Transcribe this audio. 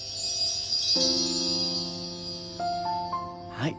はい。